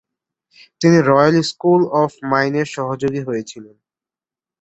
তিনি royal school of মাইনের সহযোগী হয়েছিলেন।